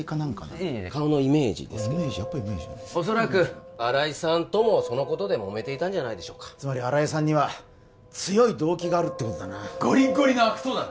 いいえ顔のイメージですけど恐らく新井さんともそのことでもめていたんじゃないでしょうかつまり新井さんには強い動機があるっていうことだなごりごりの悪党だな